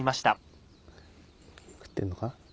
食ってんのか？